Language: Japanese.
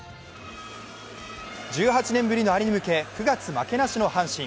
１８年ぶりのアレに向け、９月負けなしの阪神。